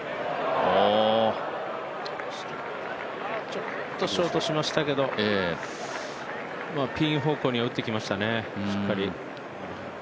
ちょっとショートしましたけどピン方向には打ってきましたねしっかり。